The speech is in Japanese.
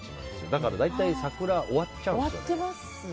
だから大体桜、終わっちゃうんですよね。